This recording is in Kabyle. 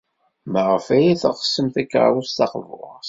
Maɣef ay teɣsem takeṛṛust taqburt?